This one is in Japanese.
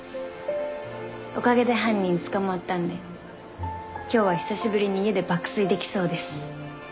おかげで犯人捕まったんで今日は久しぶりに家で爆睡できそうです。